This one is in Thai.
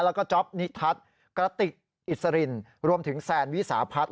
แล้วก็จ๊อปนิทัศน์กระติกอิสรินรวมถึงแซนวิสาพัฒน์